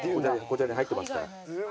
こちらに入ってますから。